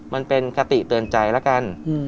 มันเป็นคติเตือนใจแล้วกัน